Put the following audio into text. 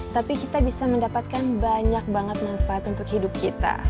tapi kita bisa mendapatkan banyak banget manfaat untuk hidup kita